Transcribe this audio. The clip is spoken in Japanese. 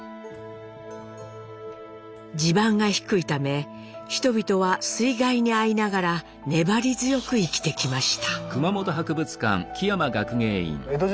地盤が低いため人々は水害に遭いながら粘り強く生きてきました。